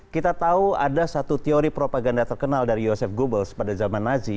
kita tahu ada satu teori propaganda terkenal dari yosef googles pada zaman nazi